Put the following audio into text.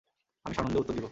আমি সানন্দে উত্তর দিব।